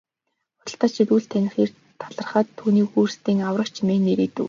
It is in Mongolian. Худалдаачид үл таних эрд талархаад түүнийг өөрсдийн аврагч хэмээн нэрийдэв.